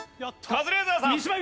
カズレーザーさん。